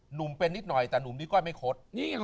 หนุ่มเป็นนิดหน่อยแต่หนุ่มนิก้อยไม่คดนี่ไง